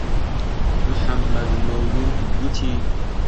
محەممەد مەولوود گوتی: